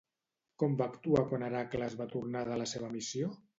Com va actuar quan Heràcles va tornar de la seva missió?